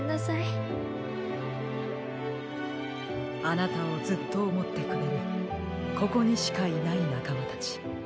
あなたをずっとおもってくれるここにしかいないなかまたち。